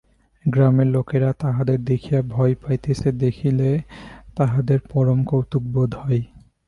গ্রামের লোকেরা তাহাদের দেখিয়া ভয় পাইতেছে দেখিলে, তাহাদের পরম কৌতুক বোধ হয়।